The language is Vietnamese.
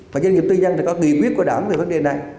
và doanh nghiệp tư nhân thì có kỳ quyết của đảng về vấn đề này